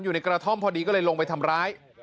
อยู่ในกระท่อมพอดีก็เลยลงไปทำร้าย